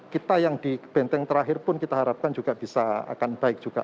kita yang di benteng terakhir pun kita harapkan juga bisa akan baik juga